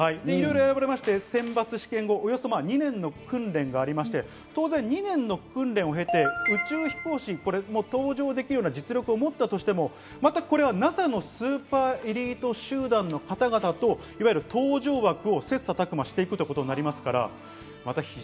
いろいろあって選抜試験があって２年の訓練があって、２年の訓練を経て、宇宙飛行士これ搭乗できる実力があったとしてもこれはまたＮＡＳＡのスーパーエリート集団の方々と搭乗枠を切磋琢磨していくということになりますから。